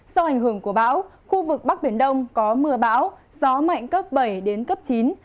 do ảnh hưởng của bão khu vực bắc biển đông có mưa bão gió mạnh cấp bảy đến cấp chín